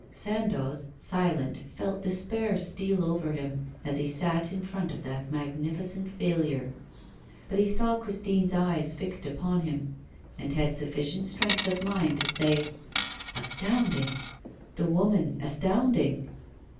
Sandoz, silent, fell despair steal over him as he sat in front of that magnificent failure. But he saw Christine's eyes fixed upon him, and had sufficient strength of mind to say: 'Astounding! the woman, astounding!